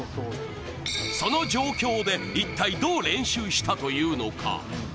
その状況で一体どう練習したというのか？